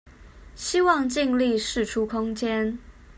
希望盡力釋出空間